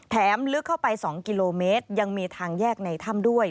ลึกเข้าไป๒กิโลเมตรยังมีทางแยกในถ้ำด้วย